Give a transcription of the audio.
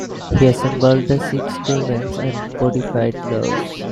He assembled the Six Tumens, and codified laws.